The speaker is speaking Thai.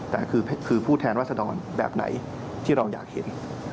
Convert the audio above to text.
แต่คือผู้แทนรัศดรแบบไหนที่เราอยากเห็น